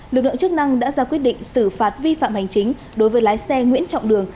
lực lượng chức năng đã ra quyết định xử phạt vi phạm hành chính đối với lái xe nguyễn trọng đường